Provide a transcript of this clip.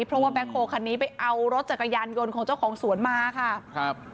เพราะว่าแบ็คโฮคันนี้ไปเอารถจักรยานยนต์ของเจ้าของสวนมาค่ะครับ